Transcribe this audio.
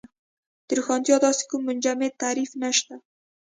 د روښانتیا داسې کوم منجمد تعریف نشته.